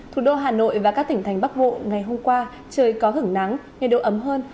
thủ đô hà nội và các tỉnh thành bắc bộ ngày hôm qua trời có hứng nắng nhiệt độ ấm hơn